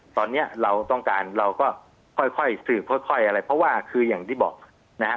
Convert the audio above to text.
ตอนนี้เราต้องการเราก็ค่อยสืบค่อยอะไรเพราะว่าคืออย่างที่บอกนะครับ